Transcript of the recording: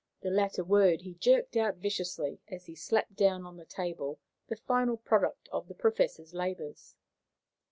The latter word he jerked out viciously, as he slapped down on the table the final product of the Professor's labours.